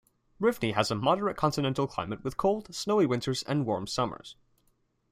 Rivne has a moderate continental climate with cold, snowy winters and warm summers.